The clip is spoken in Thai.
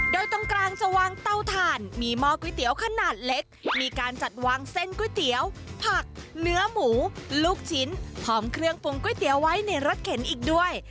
โดยตรงกลางจะวางเตาถ่านมีหม้อก๋วยเตี๋ยวขนาดเล็กมีการจัดวางเส้นก๋วยเตี๋ยวผักเนื้อหมูลูกชิ้นพร้อมเครื่องปรุงก๋วยเตี๋ยวไว้ในรถเข็นอีกด้วย